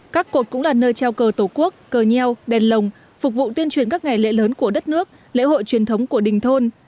các cột cũng là nơi trao cờ tổ quốc cờ nheo đèn lồng phục vụ tuyên truyền các ngày lễ lớn của đất nước lễ hội truyền thống của đình thôn